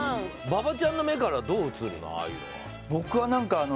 馬場ちゃんの目からどう映るの？